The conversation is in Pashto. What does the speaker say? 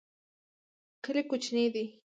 کلی کوچنی دی.